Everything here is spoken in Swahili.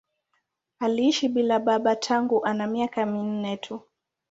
Aliishi bila ya baba tangu ana miaka minne tu.